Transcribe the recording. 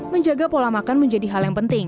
menjaga pola makan menjadi hal yang penting